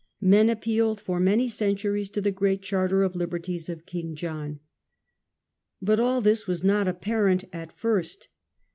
Men appealed for many centuries to the Great Charter of Liberties of King John. But all this was not apparent at first.